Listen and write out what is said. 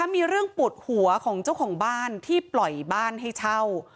มีเรื่องปวดหัวของเจ้าของบ้านที่ปล่อยบ้านให้เช่า